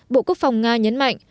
bộ quốc phòng nga nhấn mạnh